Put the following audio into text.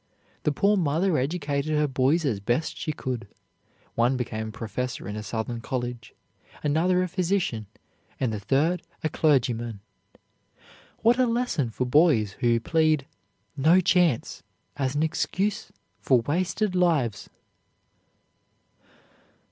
The poor mother educated her boys as best she could. One became a professor in a Southern college, another a physician, and the third a clergyman. What a lesson for boys who plead "no chance" as an excuse for wasted lives!